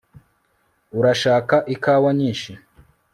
urashaka ikawa nyinshi